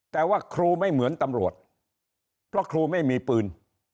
แต่ว่าครูไม่เหมือนตำรวจเพราะครูไม่มีปืน